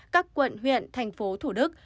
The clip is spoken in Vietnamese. các quận huyện thành phố thủ đức